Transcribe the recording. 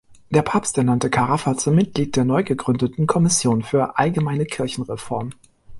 Der Papst ernannte Carafa zum Mitglied der neu gegründeten Kommission für eine allgemeine Kirchenreform.